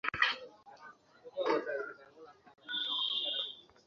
পরীক্ষা করে দেখো।